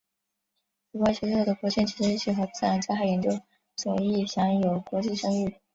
此外学校的国际经济系和自然灾害研究所亦享有国际声誉。